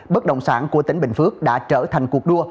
bất động sản của tỉnh bình phước đã trở thành cuộc đua